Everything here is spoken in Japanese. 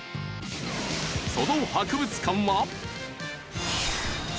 その博物館は。